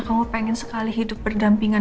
kamu pengen sekali hidup berdampingan